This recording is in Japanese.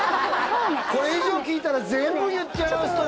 これ以上聞いたら全部言っちゃうよ